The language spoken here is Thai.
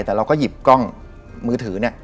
แต่เราก็หยิบกล้องมือถือเนี่ย